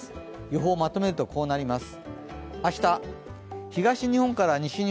予報をまとめると、こうなります。